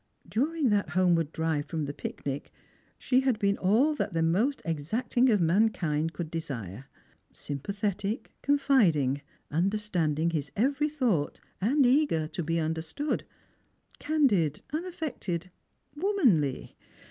During that homeward drive from the picnic she had been all that the most exacting of mankind could desire; sympathetic, confiding, understanding his every thought, and eager to be understood ; candid, un affected, womanly.